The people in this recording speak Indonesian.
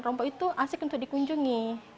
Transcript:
rompok itu asik untuk dikunjungi